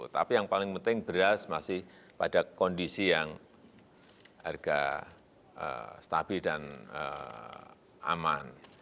tapi yang paling penting beras masih pada kondisi yang harga stabil dan aman